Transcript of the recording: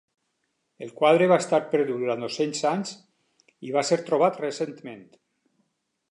El quadre va estar perdut durant dos-cents anys i va ser trobat recentment.